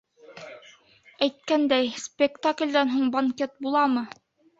Әйткәндәй, спектаклдән һуң банкет буламы?